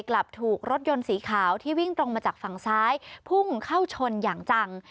กลับถูกรถยนต์สีขาวที่วิ่งตรงมาจากฝั่งซ้ายพุ่งเข้าชนอย่างจัง